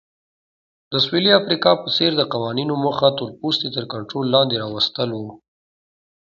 د سویلي افریقا په څېر د قوانینو موخه تورپوستي تر کنټرول لاندې راوستل وو.